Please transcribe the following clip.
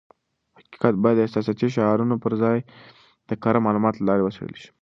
حقیقت بايد د احساساتي شعارونو پر ځای د کره معلوماتو له لارې وڅېړل شي.